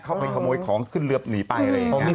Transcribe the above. เข้าไปขโมยของขึ้นเรือหนีไปอะไรอย่างนี้